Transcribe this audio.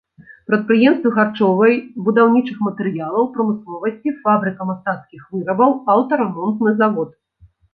Прадпрыемствы харчовай, будаўнічых матэрыялаў прамысловасці, фабрыка мастацкіх вырабаў, аўтарамонтны завод.